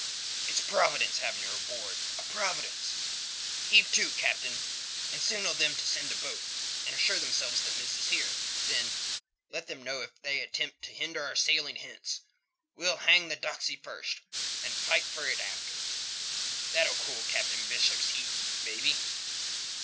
"It's a providence having her aboard; a providence. Heave to, Captain, and signal them to send a boat, and assure themselves that Miss is here. Then let them know that if they attempt to hinder our sailing hence, we'll hang the doxy first and fight for it after. That'll cool Colonel Bishop's heat, maybe."